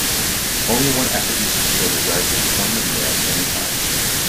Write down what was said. Only one active user could reside in core memory at any time.